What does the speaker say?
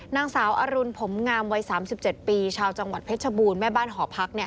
นางสาวอรุณผมงามวัยสามสิบเจ็ดปีชาวจังหวัดเพชรบูรณ์แม่บ้านหอพักเนี้ย